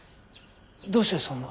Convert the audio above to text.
どうしてそんな。